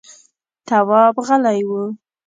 تواب غلی و…